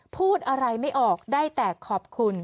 พูดอะไรไม่ออกได้แต่ขอบคุณ